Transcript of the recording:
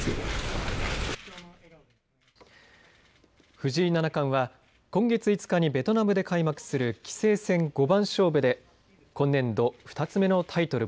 藤井七冠は今月５日にベトナムで開幕する棋聖戦、五番勝負で今年度２つ目のタイトル